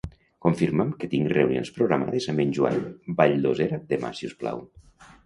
Confirma'm que tinc reunions programades amb en Joan Valldossera demà si us plau.